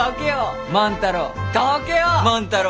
万太郎！